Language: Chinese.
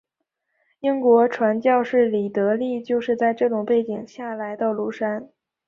英国传教士李德立就是在这种背景下来到庐山。